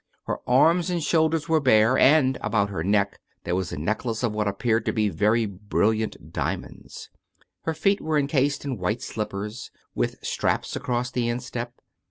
Her arms and shoulders were bare, and about her neck there was a necklace of what appeared to be very brilliant diamonds. Her feet were encased in white slippers, with straps across the instep.